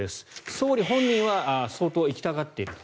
総理本人は相当行きたがっていると。